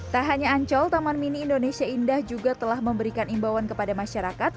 tak hanya ancol taman mini indonesia indah juga telah memberikan imbauan kepada masyarakat